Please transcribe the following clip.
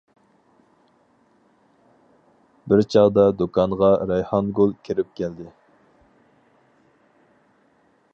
بىر چاغدا دۇكانغا رەيھانگۈل كىرىپ كەلدى.